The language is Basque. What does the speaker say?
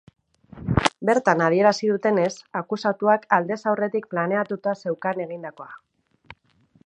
Bertan adierazi dutenez, akusatuak aldez aurretik planeatuta zeukan egindakoa.